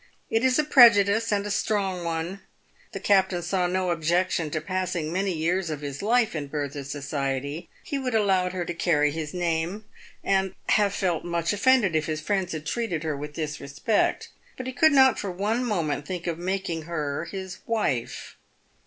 It is a prejudice, and a strong one. The captain saw no objection to passing many years of his life in Bertha's society ; he would allow her to carry his name, and have felt much offended if his friends had treated her with disrespect ; but he could not for one moment think of making her his wife.